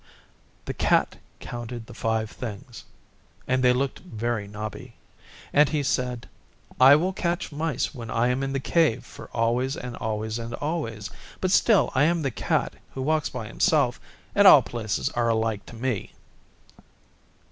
The Cat counted the five things (and they looked very knobby) and he said, 'I will catch mice when I am in the Cave for always and always and always; but still I am the Cat who walks by himself, and all places are alike to me.